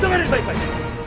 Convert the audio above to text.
dengar ini baik baik